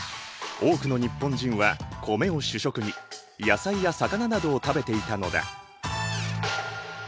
多くの日本人は米を主食に野菜や魚などを食べていたのだ。